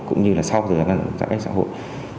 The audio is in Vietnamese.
cũng như là sau khi giãn cách xã hội